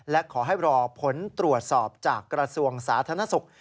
และขอให้รอผลตรวจสอบจากกระทรวงสาธารณสุข